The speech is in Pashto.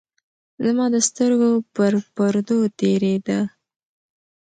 زمـا د سـترګو پـر پـردو تېـرېده.